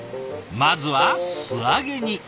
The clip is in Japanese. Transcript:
まずは素揚げに。